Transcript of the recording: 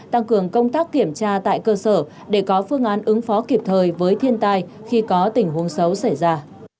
tăng cường công tác kiểm tra tại cơ sở để có phương án ứng phó kịp thời với thiên tai khi có tình huống xấu xảy ra